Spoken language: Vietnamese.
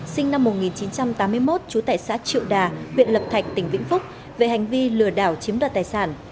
sinh năm một nghìn chín trăm tám mươi một trú tại xã triệu đà huyện lập thạch tỉnh vĩnh phúc về hành vi lừa đảo chiếm đoạt tài sản